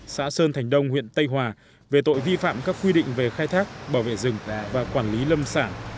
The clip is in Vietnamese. xã sơn thành đông huyện tây hòa về tội vi phạm các quy định về khai thác bảo vệ rừng và quản lý lâm sản